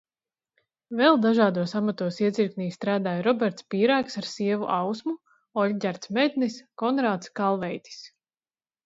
Vēl dažādos amatos iecirknī strādāja Roberts Pīrāgs ar sievu Ausmu, Olģerts Mednis, Konrāds Kalveitis.